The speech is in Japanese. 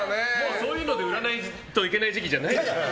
そういうので売らないといけない時期じゃないでしょ。